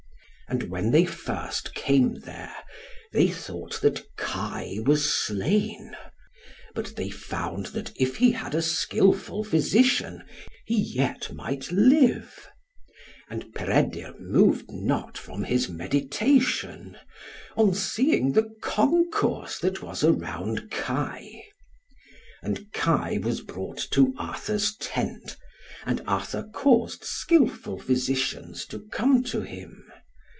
And when they first came there, they thought that Kai was slain; but they found that if he had a skilful physician, he yet might live. And Peredur moved not from his meditation, on seeing the concourse that was around Kai. And Kai was brought to Arthur's tent, and Arthur caused skilful physicians to come to him.